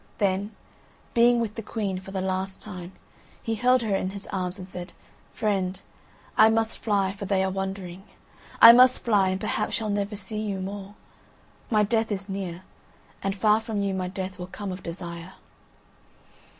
Then, being with the Queen for the last time, he held her in his arms and said: "Friend, I must fly, for they are wondering. I must fly, and perhaps shall never see you more. My death is near, and far from you my death will come of desire."